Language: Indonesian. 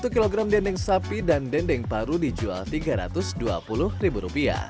satu kg dendeng sapi dan dendeng paru dijual rp tiga ratus dua puluh